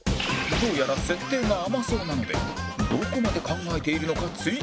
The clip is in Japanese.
どうやら設定が甘そうなのでどこまで考えているのか追及してみる